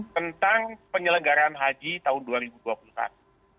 tentang penyelenggaran haji tahun dua ribu dua puluh satu